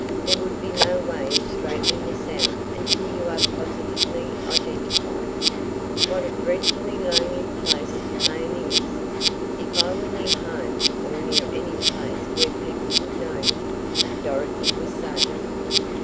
There would be no way of straightening this out until you are positively identified." "What a dreadfully lonely place Maine is! If I were near home or near any place where people would know me " Dorothy was saying.